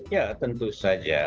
ya tentu saja